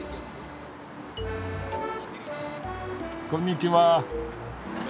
こんにちは。